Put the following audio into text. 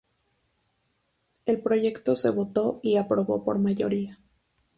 El proyecto se votó y aprobó por mayoría.